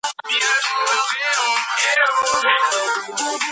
მის ნაშრომებს ბალეტის განვითარებაში დიდი გავლენა ჰქონდა.